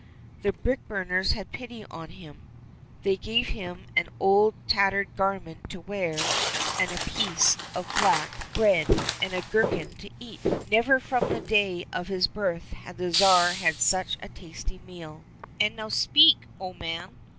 The brick burners had pity on him ; they gave him an old tattered garment to wear and a piece of black 175 COSSACK FAIRY TALES bread and a gherkin to eat. Never from the day of his birth had the Tsar had such a tasty meal. " And now speak, O man